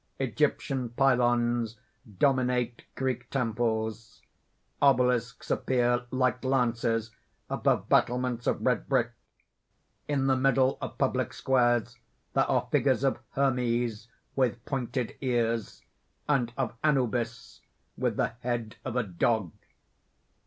Egyptian pylons dominate Greek temples. Obelisks appear like lances above battlements of red brick. In the middle of public squares there are figures of Hermes with pointed ears, and of Anubis with the head of a dog.